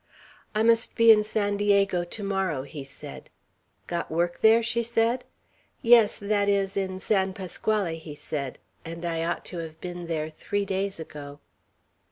"I must be in San Diego to morrow," he said. "Got work there?" she said. "Yes; that is, in San Pasquale," he said; "and I ought to have been there three days ago."